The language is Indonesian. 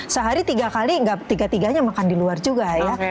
sehari tiga kali tiga tiganya makan di luar juga ya